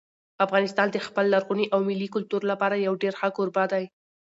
افغانستان د خپل لرغوني او ملي کلتور لپاره یو ډېر ښه کوربه دی.